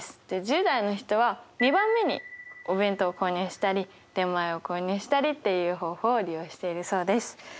で１０代の人は２番目にお弁当を購入したり出前を購入したりっていう方法を利用しているそうです。